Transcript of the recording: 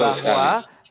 iya betul sekali